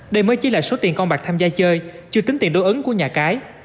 đây mới chỉ là số tiền con bạc tham gia chơi chưa tính tiền đối ứng của nhà cái